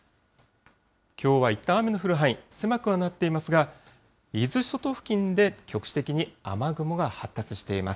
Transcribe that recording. きょうはいったん雨の降る範囲、狭くはなっていますが、伊豆諸島付近で局地的に雨雲が発達しています。